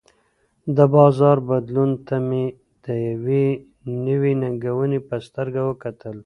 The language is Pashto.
د بازار بدلون ته مې د یوې نوې ننګونې په سترګه وکتل.